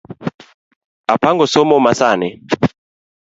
Apango somo masani